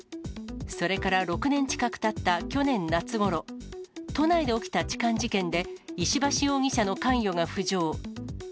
それから６年近くたった去年夏ごろ、都内で起きた痴漢事件で、石橋容疑者の関与が浮上。